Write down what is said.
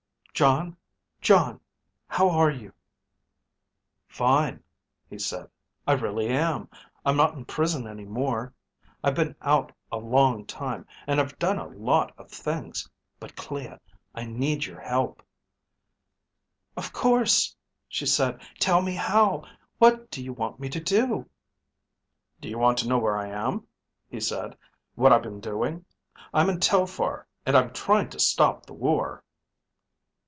"Jon, Jon, how are you?" "Fine," he said. "I really am. I'm not in prison any more. I've been out a long time, and I've done a lot of things. But Clea, I need your help." "Of course," she said. "Tell me how? What do you want me to do?" "Do you want to know where I am?" he said. "What I've been doing? I'm in Telphar, and I'm trying to stop the war."